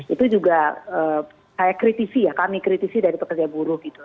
itu juga saya kritisi ya kami kritisi dari pekerja buruh gitu